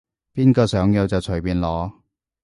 邊個想要就隨便攞